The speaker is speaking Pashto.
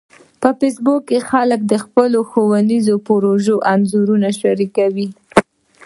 په فېسبوک کې خلک د خپلو ښوونیزو پروژو انځورونه شریکوي